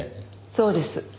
そうです。